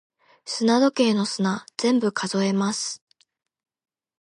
砂時計の砂、全部数えます。